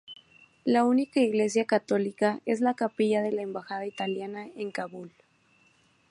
La única iglesia católica es la capilla en la embajada italiana en Kabul.